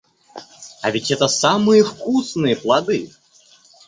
А ведь это самые вкусные плоды.